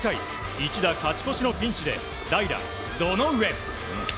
一打勝ち越しのピンチで代打、堂上。